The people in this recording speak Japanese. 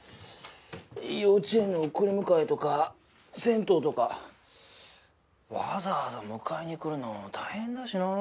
幼稚園の送り迎えとか銭湯とかわざわざ迎えに来るの大変だしなあ。